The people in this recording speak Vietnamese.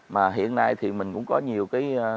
mà hiện nay thì mình cũng có nhiều cái